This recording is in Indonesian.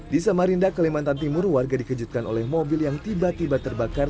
di samarinda kalimantan timur warga dikejutkan oleh mobil yang tiba tiba terbakar